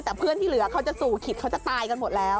แต่เพื่อนที่เหลือเขาจะสู่ขิตเขาจะตายกันหมดแล้ว